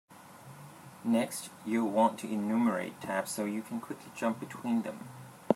Next, you'll want to enumerate tabs so you can quickly jump between them.